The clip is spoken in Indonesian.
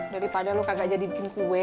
daripada lo kagak jadi bikin kue